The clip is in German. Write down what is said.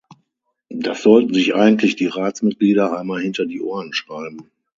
Das sollten sich eigentlich die Ratsmitglieder einmal hinter die Ohren schreiben.